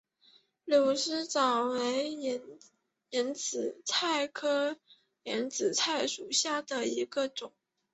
柳丝藻为眼子菜科眼子菜属下的一个种。